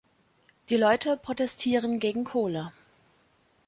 Die Leute protestieren gegen Kohle.